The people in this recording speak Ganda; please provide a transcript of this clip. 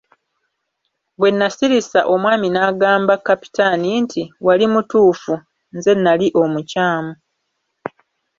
Bwe nasirisa omwami n'agamba Kapitaani nti " Wali mutuufu, nze nali omukyamu.